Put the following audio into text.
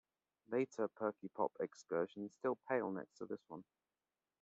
Later perky pop excursions still pale next to this one.